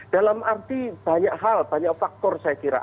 dalam arti banyak hal banyak faktor saya kira